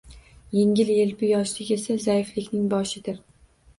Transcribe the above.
Yengil-yelpi yoshlik esa zaiflikning boshidir.